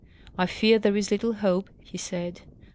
"I fear there is little hope," he said.